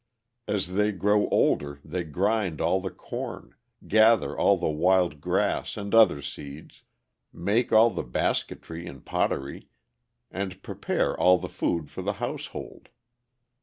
As they grow older they grind all the corn, gather all the wild grass and other seeds, make all the basketry and pottery, and prepare all the food for the household.